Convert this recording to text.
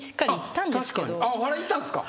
おはらい行ったんすか？